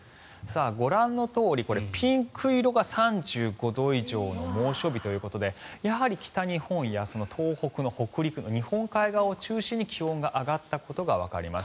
ご覧のとおり、ピンク色が３５度以上の猛暑日ということでやはり北日本や東北の日本海側を中心に気温が上がったことがわかります。